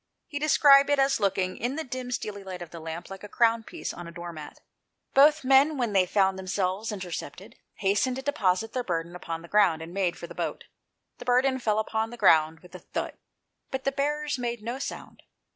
He described it as looking, in the dim, steely light of the lamp, like a crown piece on a door mat. Both the men, when they found themselves intercepted, hastened to deposit their burden upon the ground, and made for the boat. The burden fell upon the ground with a thud, but the bearers made no sound.